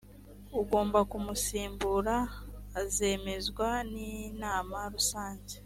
ugomba kumusimbura azemezwa n inama rusange